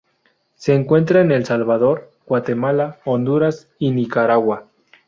Se encuentra en El Salvador, Guatemala, Honduras, y Nicaragua.